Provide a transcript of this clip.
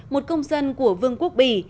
một công dân của vương quốc bỉ